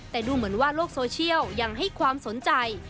แต่ดูเหมือนว่าโลกโซเชียลยังให้ความสนใจ